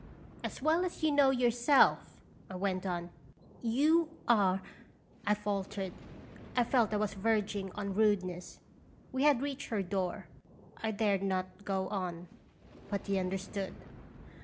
" "As well as you know yourself" I went on; "you are " I faltered. I felt I was verging on rudeness. We had reached her door. I dared not go on. But he understood.